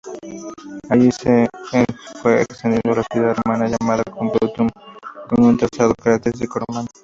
Allí se fue extendiendo la ciudad romana llamada Complutum con un trazado característico romano.